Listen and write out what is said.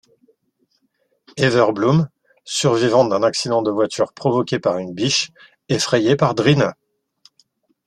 Ever Bloom, survivante d'un accident de voiture provoqué par une biche, effrayée par Drina.